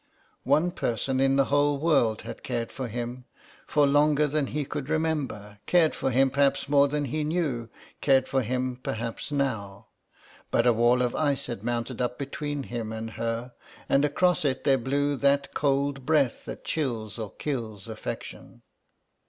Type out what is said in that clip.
One person in the whole world had cared for him, for longer than he could remember, cared for him perhaps more than he knew, cared for him perhaps now. But a wall of ice had mounted up between him and her, and across it there blew that cold breath that chills or kills affection.